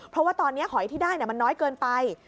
เพราะว่าตอนนี้หอยที่ได้มันน้อยเกินไป